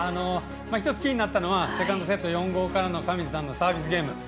ひとつキーになったのはセカンドセット４−５からの上地さんのサービスゲーム。